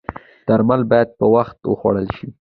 درمل باید په وخت وخوړل شي